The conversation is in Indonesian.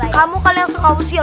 kamu kali yang suka usil